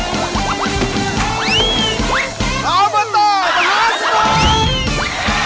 ออกมาต่อมหาสนุก